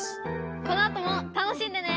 このあとも楽しんでね！